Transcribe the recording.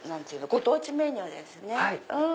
ご当地メニューですね。